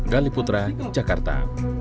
gali putra jakarta